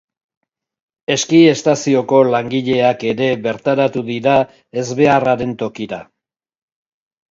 Eski-estazioko langileak ere bertaratu dira ezbeharraren tokira.